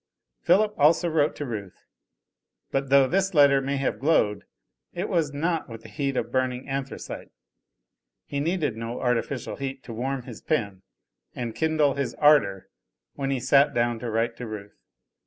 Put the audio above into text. Philip also wrote to Ruth; but though this letter may have glowed, it was not with the heat of burning anthracite. He needed no artificial heat to warm his pen and kindle his ardor when he sat down to write to Ruth.